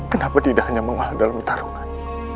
kenapa tidak hanya mengalah dalam tarungan